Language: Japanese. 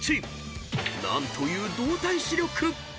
［何という動体視力］